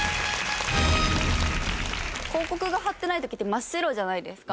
広告が貼ってない時って真っ白じゃないですか。